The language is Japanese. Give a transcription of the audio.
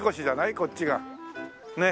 こっちがねっ。